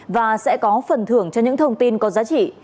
và sẽ có phần thưởng cho những thông tin có giá trị